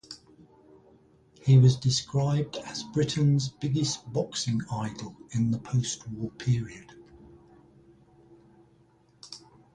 He was described as Britain's biggest boxing idol in the post-war period.